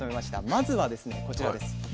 まずはですねこちらです。